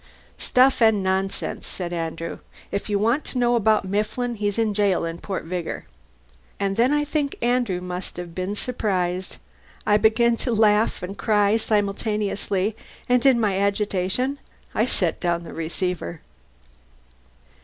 "Stuff and nonsense," said Andrew. "If you want to know about Mifflin, he's in jail in Port Vigor." And then I think Andrew must have been surprised. I began to laugh and cry simultaneously, and in my agitation I set down the receiver.